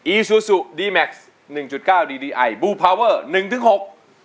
อซูซูดีแม็กซ์หนึ่งจุดเก้าดีดีไอบูพาวเวอร์หนึ่งถึงหก